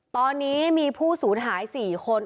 ตอนนี้มีผู้สูญหาย๔คน